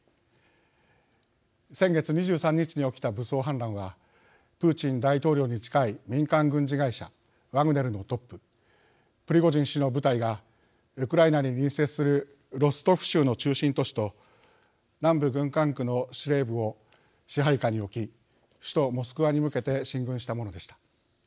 先月２３日に起きた武装反乱はプーチン大統領に近い民間軍事会社ワグネルのトッププリゴジン氏の部隊がウクライナに隣接するロストフ州の中心都市と南部軍管区の司令部を支配下に置き首都モスクワに向けて進軍したものでした。